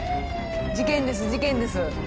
事件です事件です。